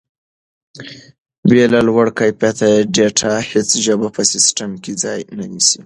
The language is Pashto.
بې له لوړ کیفیت ډیټا هیڅ ژبه په سیسټم کې ځای نه نیسي.